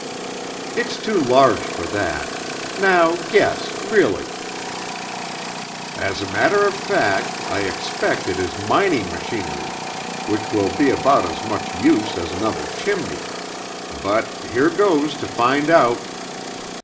"It's too large for that; now guess, really." "As a matter of fact, I expect it is mining machinery, which will be about as much use as another chimney; but here goes to find out."